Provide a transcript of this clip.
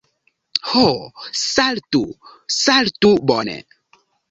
Ho, saltu! Saltu! Bone.